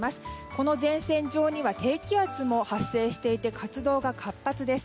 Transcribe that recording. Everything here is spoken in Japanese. この前線上には低気圧も発生していて活動が活発です。